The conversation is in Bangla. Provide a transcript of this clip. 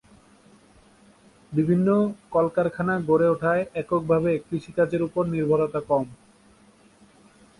বিভিন্ন কলকারখানা গড়ে ওঠায় এককভাবে কৃষিকাজের উপর নির্ভরতা কম।